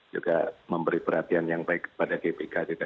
juga memberi perhatian yang baik kepada gbk